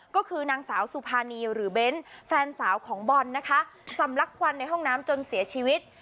ก็คือนางสาวสุภานีหรือเบ้นแฟนสาวของบอลนะคะสำลักควันในห้องน้ำจนเสียชีวิต